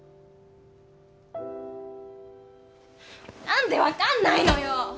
何で分かんないのよ！